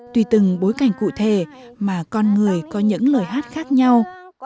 tùy từng bối cảnh cụ thể mà con người có những lời hát khác nhau